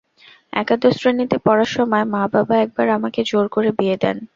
একাদশ শ্রেণীতে পড়ার সময় মা-বাবা একবার আমাকে জোর করে বিয়ে দেন।